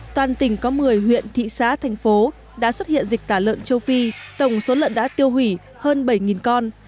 toàn tỉnh có một mươi huyện thị xã thành phố đã xuất hiện dịch tả lợn châu phi tổng số lợn đã tiêu hủy hơn bảy con